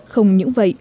không những vậy